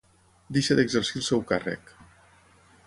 Deixa d'exercir el seu càrrec.